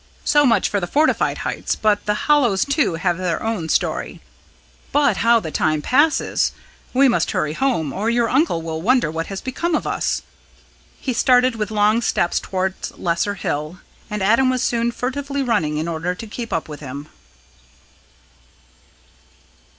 "So much for the fortified heights; but the hollows too have their own story. But how the time passes! We must hurry home, or your uncle will wonder what has become of us." He started with long steps towards Lesser Hill, and Adam was soon furtively running in order to keep up with him.